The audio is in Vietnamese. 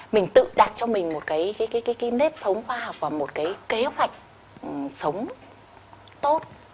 mình tự đặt cho mình một cái nếp sống khoa học và một cái kế hoạch sống tốt